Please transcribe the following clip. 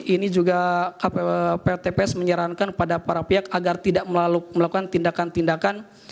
ini juga pltps menyarankan kepada para pihak agar tidak melakukan tindakan tindakan